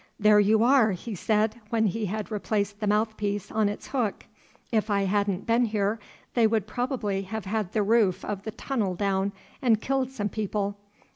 "There you are," he said, when he had replaced the mouthpiece on its hook, "if I hadn't been here they would probably have had the roof of the tunnel down and killed some people.